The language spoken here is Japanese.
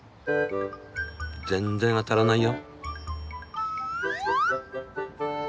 全然当たらないよ。